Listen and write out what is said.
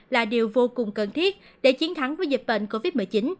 là điều vô cùng cần thiết để chiến thắng với dịch bệnh covid một mươi chín